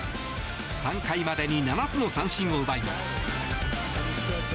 ３回までに７つの三振を築きます。